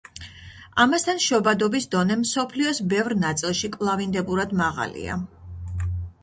ამასთან, შობადობის დონე მსოფლიოს ბევრ ნაწილში კვლავინდებურად მაღალია.